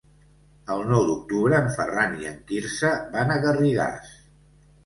El nou d'octubre en Ferran i en Quirze van a Garrigàs.